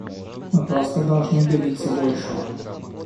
Мы просто должны добиться большего.